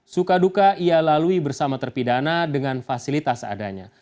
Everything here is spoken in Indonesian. suka duka ia lalui bersama terpidana dengan fasilitas adanya